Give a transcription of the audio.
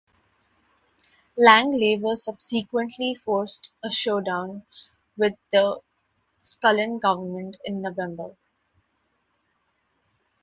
Lang Labor subsequently forced a showdown with the Scullin government in November.